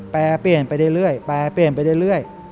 แปรเปลี่ยนไปเรื่อยแปรเปลี่ยนไปเรื่อย